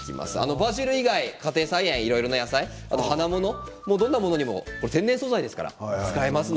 バジル以外のいろいろな野菜葉っぱ物、どんなものにも天然素材ですから使います。